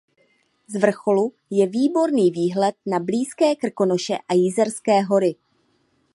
Z vrcholu je výborný výhled na blízké Krkonoše a Jizerské hory.